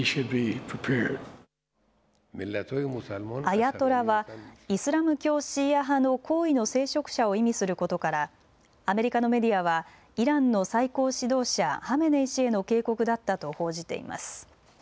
アヤトラはイスラム教シーア派の高位の聖職者を意味することからアメリカのメディアはイランの最高指導者ハメネイ師への警告だったと報じています。